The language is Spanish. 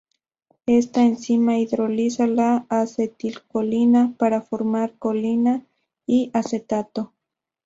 Esta enzima hidroliza la acetilcolina para formar colina y acetato.